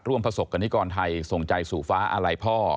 ประสบกรณิกรไทยส่งใจสู่ฟ้าอาลัยพ่อ